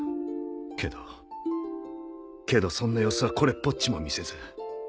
けどけどそんな様子はこれっぽっちも見せず。